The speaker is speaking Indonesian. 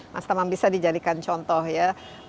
mas tamam bisa dijadikan contoh ya